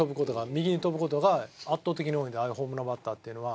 右に飛ぶ事が圧倒的に多いんでああいうホームランバッターっていうのは。